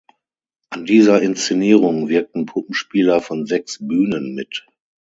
An dieser Inszenierung wirkten Puppenspieler von sechs Bühnen mit.